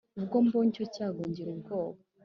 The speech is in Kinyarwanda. Ubwo mbonye icyo cyago ngira ubwora